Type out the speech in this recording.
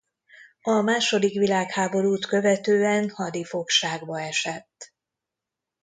A második világháborút követően hadifogságba esett.